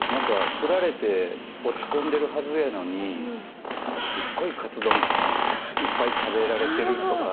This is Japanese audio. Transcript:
振られて落ち込んでるはずやのにすっごいカツ丼いっぱい食べられてるとか。